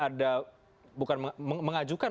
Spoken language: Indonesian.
ada bukan mengajukan